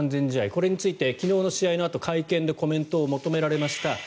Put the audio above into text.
これについて昨日の試合のあと会見でコメントを求められました。